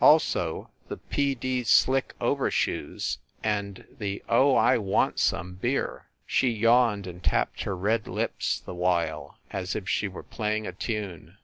Also the T. D. Slick Overshoes and the O I Wansum Beer. " She yawned and tapped her red lips the while, as if she were playing a tune.